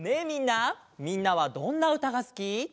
みんなみんなはどんなうたがすき？